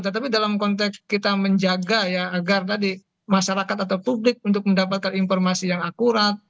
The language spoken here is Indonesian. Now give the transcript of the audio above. tetapi dalam konteks kita menjaga ya agar tadi masyarakat atau publik untuk mendapatkan informasi yang akurat